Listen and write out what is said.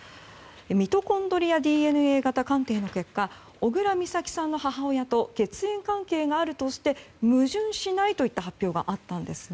ミトコンドリアＤＮＡ型鑑定の結果小倉美咲さんの母親と血縁関係があるとして矛盾しないといった発表があったんです。